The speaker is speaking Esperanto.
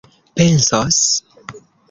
pensos